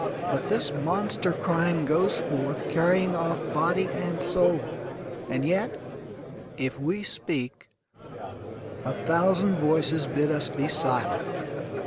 But this monster crime goes forth, carrying off body and soul; and yet, if we speak, a thousand voices bid us be silent.